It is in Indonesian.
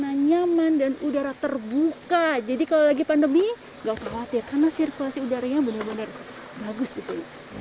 nah nyaman dan udara terbuka jadi kalau lagi pandemi gak usah khawatir karena sirkulasi udara yang benar benar bagus disini